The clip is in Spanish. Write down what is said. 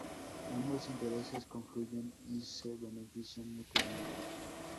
Ambos intereses confluyen y se benefician mutuamente.